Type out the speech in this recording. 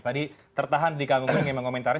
tadi tertahan di kang unggu yang mengkomentari